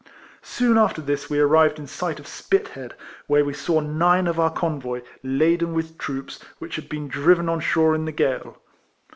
Soon after this we arrived in sight of Spithead, where we saw nine of our convoy, laden with troops, which had been driven on shore in the gale.